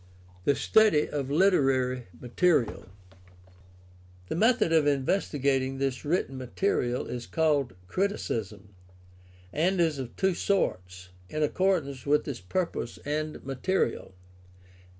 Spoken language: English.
THE STUDY OF LITERARY MATERIAL The method of investigating this written material is called criticism, and is of two sorts, in accordance with its purpose and material.